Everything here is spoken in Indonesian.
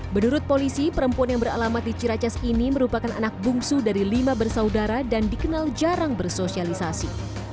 menurut polisi perempuan yang beralamat di ciracas ini merupakan anak bungsu dari lima bersaudara dan dikenal jarang bersosialisasi